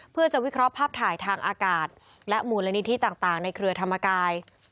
เพื่อจะวิเคราะห์ภาพถ่ายทางอากาศและมูลนิธิต่างในเครือธรรมกาย